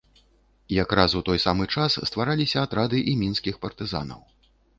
Якраз у той самы час ствараліся атрады і мінскіх партызанаў.